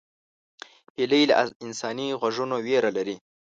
هیلۍ له انساني غږونو ویره لري